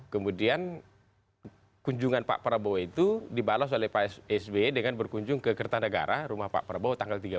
kemudian kunjungan pak prabowo itu dibalas oleh pak sby dengan berkunjung ke kertanegara rumah pak prabowo tanggal tiga belas